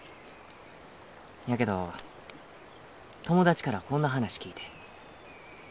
やけど友達からこんな話聞いて